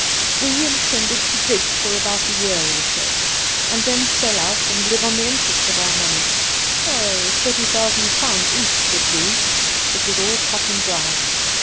We in tended to dig for about a year or so, and then sell out and live on the interest of our money — £30,000 each would do. It was all cut and dried.